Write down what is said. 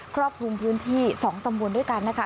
ครอบคลุมพื้นที่๒ตำบลด้วยกันนะคะ